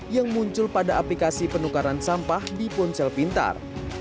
yang muncul pada aplikasi penukaran sampah di ponsel pintar